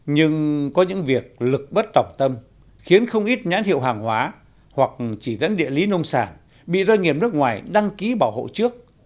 nhưng có những việc lực bất tỏng tâm khiến không ít nhãn hiệu hàng hóa hoặc chỉ dẫn địa lý nông sản bị doanh nghiệp nước ngoài đăng ký bảo hộ trước